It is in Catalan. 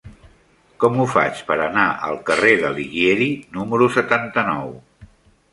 Com ho faig per anar al carrer d'Alighieri número setanta-nou?